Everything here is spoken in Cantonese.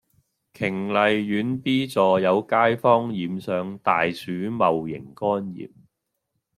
瓊麗苑 B 座有街坊染上大鼠戊型肝炎